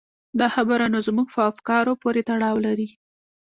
دا خبره نو زموږ په افکارو پورې تړاو لري.